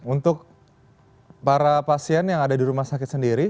untuk para pasien yang ada di rumah sakit sendiri